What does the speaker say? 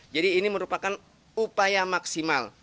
jadi ini merupakan upaya maksimal